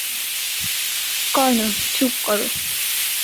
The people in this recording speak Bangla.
কর্গ, চুপ করো।